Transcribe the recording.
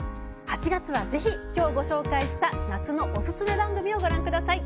８月はぜひ、きょうご紹介した夏のおすすめ番組をご覧ください。